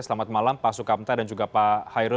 selamat malam pak sukamta dan juga pak pak tiongkok